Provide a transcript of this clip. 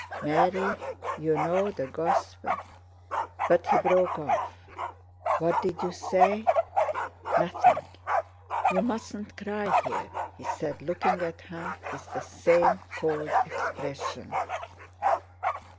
"Mary, you know the Gosp..." but he broke off. "What did you say?" "Nothing. You mustn't cry here," he said, looking at her with the same cold expression.